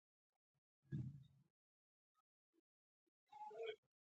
د ریګ دښتې د افغانستان د اقلیمي نظام ښکارندوی ده.